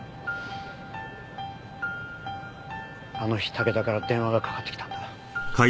あの日武田から電話がかかってきたんだ。